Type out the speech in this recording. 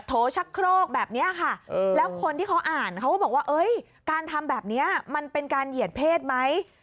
โชชักโครกแบบนี้ค่ะแล้วคนที่เขาอ่านเขาก็บอกว่าการทำแบบนี้มันเป็นการเหยียดเพศไหม